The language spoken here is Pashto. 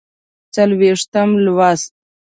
څلوېښتم لوست